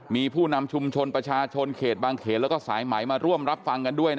มีผู้นำชุมชนประชาชนเขตบางเขตแล้วก็สายไหมมาร่วมรับฟังกันด้วย